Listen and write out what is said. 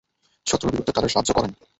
শত্রুর বিরুদ্ধে তাদের সাহায্য করেন।